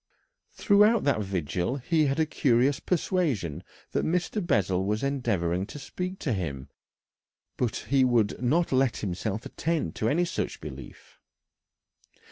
Throughout that vigil he had a curious persuasion that Mr. Bessel was endeavouring to speak to him, but he would not let himself attend to any such belief.